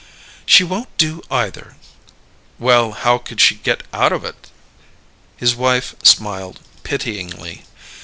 "She won't do either." "Why, how could she get out of it?" His wife smiled pityingly.